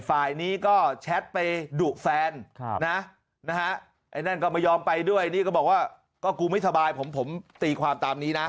ไอ้นั่นก็ไม่ยอมไปด้วยก็บอกว่ากูไม่ทบายผมตีความตามนี้นะ